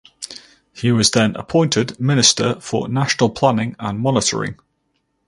He was then appointed Minister for National Planning and Monitoring.